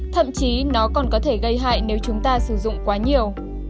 thậm chí nó còn có thể gây hại nếu chúng ta sử dụng quá nhiều